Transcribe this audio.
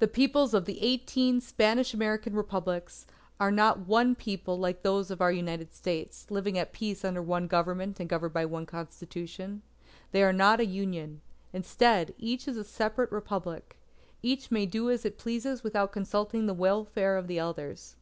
The Peoples of the eighteen Spanish American Republics, are not one People like those of our United States, living at peace under one Government and governed by one Constitution. They are not a Union. Instead, each is a separate Republic. Each may do as it pleases without consulting the welfare of the others.